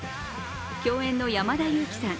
共演の山田裕貴さん